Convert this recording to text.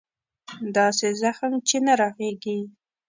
داسې زخم چې نه رغېږي.